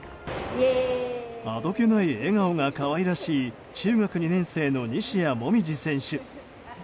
あどけない笑顔が可愛らしい中学２年生の西矢椛選手。